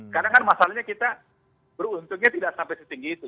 karena kan masalahnya kita beruntungnya tidak sampai setinggi itu